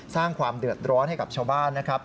สร้างความเดือดร้อนให้กับชาวบ้านนะครับ